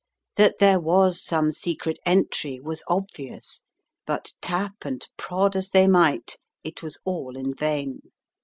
That there was some secret entry was obvious, but tap and prod as they might, it was all in vain.